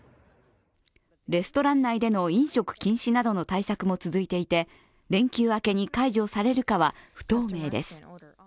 レストラン内での飲食禁止などの対策も続いていて連休明けに解除されるかは不透明です。